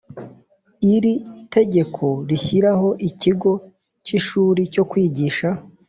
Iri tegeko rishyiraho Ikigo cy ishuli cyo kwigisha